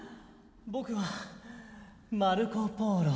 僕はマルコ・ポーロ。